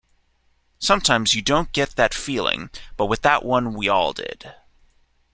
Sometimes you don't get that feeling, but with that one we all did.